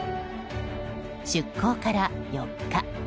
出港から４日。